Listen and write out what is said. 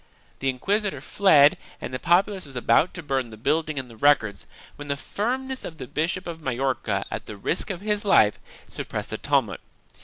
The inquisitor fled and the populace was about to burn the building and the records, when the firmness of the Bishop of Majorca, at the risk of his life, suppressed the tumult.